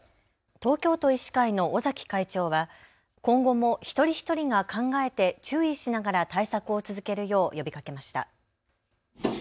東京都医師会の尾崎会長は今後も一人一人が考えて注意しながら対策を続けるよう呼びかけました。